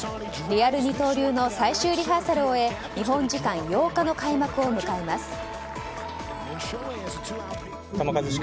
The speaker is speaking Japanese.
リアル二刀流の最終リハーサルを終え日本時間８日の開幕を迎えます。